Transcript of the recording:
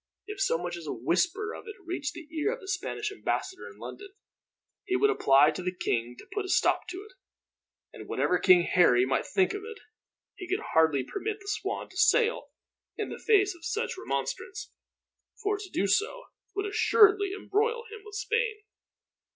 If so much as a whisper of it reached the ear of the Spanish ambassador in London, he would apply to the king to put a stop to it; and whatever King Harry might think of it, he could hardly permit the Swan to sail in the face of such a remonstrance, for to do so would assuredly embroil him with Spain."